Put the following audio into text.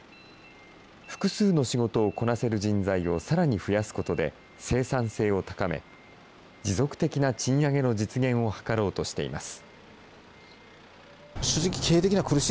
複数の仕事をこなせる人材をさらに増やすことで、生産性を高め、持続的な賃上げの実現を図ろうとしています。